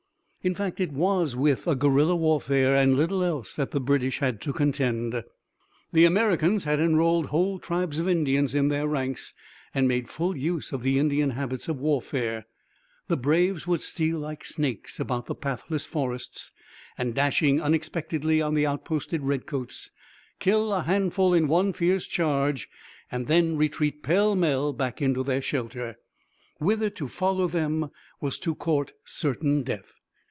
In fact, it was with a guerilla warfare, and little else, that the British had to contend. The Americans had enrolled whole tribes of Indians in their ranks and made full use of the Indian habits of warfare. The braves would steal like snakes about the pathless forests, and dashing unexpectedly on the outposted redcoats, kill a handful in one fierce charge, and then retreat pell mell back into their shelter, whither to follow them was to court certain death.